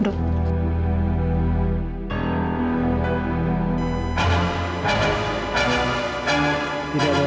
sekarang alihkan darah ke tubuhosa